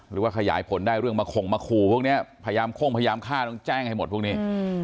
หรือว่าขยายผลได้เรื่องมาข่งมาขู่พวกนี้พยายามโค้งพยายามฆ่าต้องแจ้งให้หมดพวกนี้